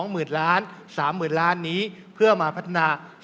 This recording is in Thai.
๒มืดแล้ว๓๐ล้านนี้เพื่อมาพัฒนา